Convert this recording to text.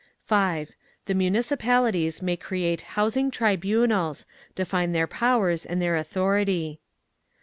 5. The Municipalities may create Housing Tribunals, define their powers and their authority.